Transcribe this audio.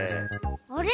あれ？